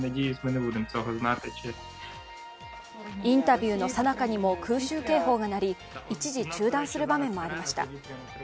インタビューのさなかにも空襲警報が鳴り、一時中断する場面もありました。